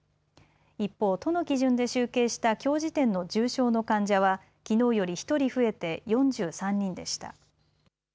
一方、都の基準で集計したきょう時点の重症の患者はきのうより１人増えて４３人でした。